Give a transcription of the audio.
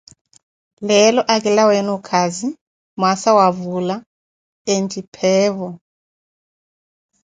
leelo akilaweene okaazi, mwaasa wa vuula and pheevo